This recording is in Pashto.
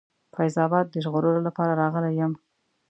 فیض آباد د ژغورلو لپاره راغلی یم.